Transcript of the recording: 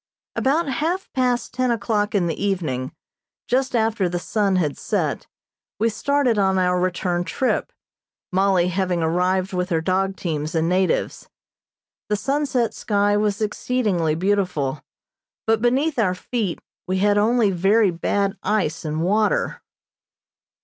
About half past ten o'clock in the evening, just after the sun had set, we started on our return trip, Mollie having arrived with her dog teams and natives. The sunset sky was exceedingly beautiful, but beneath our feet we had only very bad ice and water.